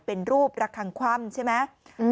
เป็นรูประคังคว่ำใช่ไหม